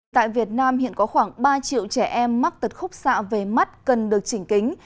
tại việt nam hiện có khoảng ba triệu trẻ em mắc tật khúc xạ về mắt cần được chỉnh kính